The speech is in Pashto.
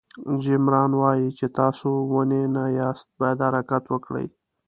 جیم ران وایي چې تاسو ونې نه یاست باید حرکت وکړئ.